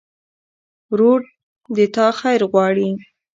ورور د تا خیر غواړي.